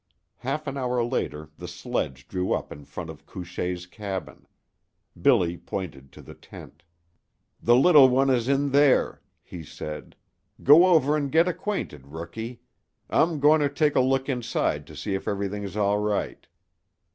Half an hour later the sledge drew up in front of Couchée's cabin. Billy pointed to the tent. "The little one is in there," he said. "Go over an' get acquainted, Rookie. I'm going to take a look inside to see if everything is all right."